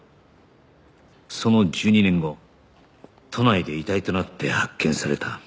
その１２年後都内で遺体となって発見された